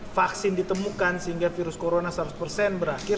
vaksin ditemukan sehingga virus corona seratus persen berakhir